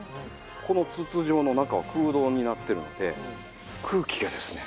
この筒状の中は空洞になってるので空気がですね